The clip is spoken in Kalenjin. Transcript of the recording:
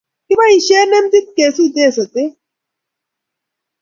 Kiboishe emtit kesute sotet